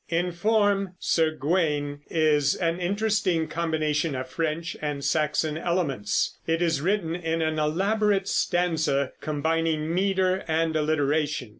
In form Sir Gawain is an interesting combination of French and Saxon elements. It is written in an elaborate stanza combining meter and alliteration.